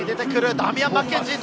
ダミアン・マッケンジー！